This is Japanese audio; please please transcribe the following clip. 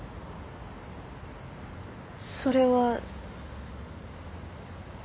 それは。